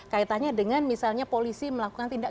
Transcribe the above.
kaitannya dengan misalnya polisi melakukan tindakan